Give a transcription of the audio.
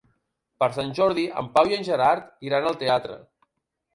Per Sant Jordi en Pau i en Gerard iran al teatre.